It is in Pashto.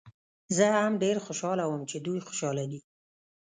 زه هم ډېر خوشحاله وم چې دوی خوشحاله دي.